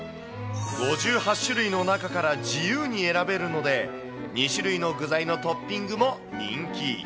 ５８種類の中から自由に選べるので、２種類の具材のトッピングも人気。